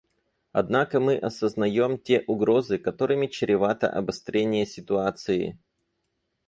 Однако мы осознаем те угрозы, которыми чревато обострение ситуации.